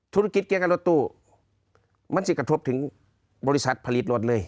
ธุรกิจเกี่ยวกับรถตู้มันจะกระทบถึงบริษัทผลิตรถเลย